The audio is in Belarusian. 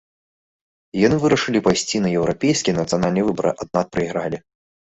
І яны вырашылі пайсці на еўрапейскія і нацыянальныя выбары, аднак прайгралі.